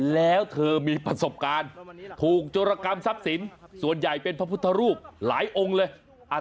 แล้วเธอมีประสบการณ์ถูกโจรกรรมทรัพย์สินส่วนใหญ่เป็นพระพุทธรูปหลายองค์เลย